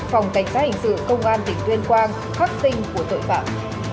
phòng cảnh sát hình sự công an tỉnh tuyên quang khắc tinh của tội phạm